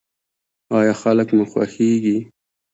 ایا خلک مو خوښیږي؟